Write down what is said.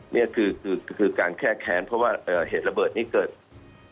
นี่คือการแค่แค้นเพราะว่าเหตุระเบิดนี้เกิด